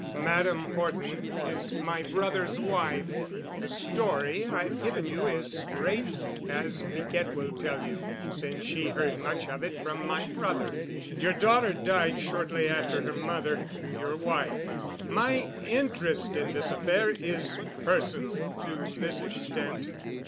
Madame Horton is my brother's wife. The story I've given you is straight—as Piquette will tell you since she heard much of it from my brother. Your daughter died shortly after her mother, your wife. My interest in this affair is personal to this extent.